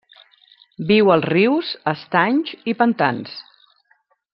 Viu als rius, estanys i pantans.